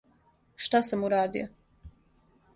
Шта сам урадио!